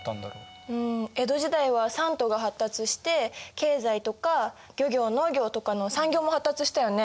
江戸時代は三都が発達して経済とか漁業農業とかの産業も発達したよね。